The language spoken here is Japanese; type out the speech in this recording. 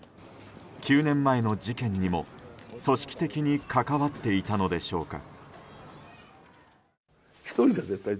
９年前の事件にも、組織的に関わっていたのでしょうか。